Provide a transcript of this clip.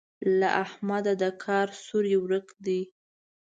له احمده د کار سوری ورک دی.